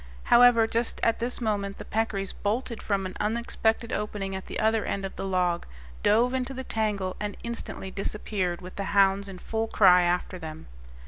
However, just at this moment the peccaries bolted from an unsuspected opening at the other end of the log, dove into the tangle, and instantly disappeared with the hounds in full cry after them.